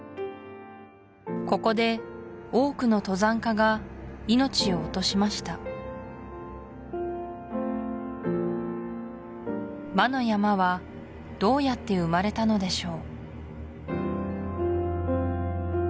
ここで多くの登山家が命を落としました魔の山はどうやって生まれたのでしょう？